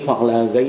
hoặc là gây